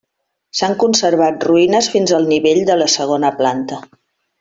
S'han conservat ruïnes fins al nivell de la segona planta.